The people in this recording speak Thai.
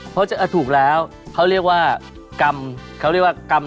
เรามาต่อกันที่เดือนพฤษภาคมเลยดีกว่า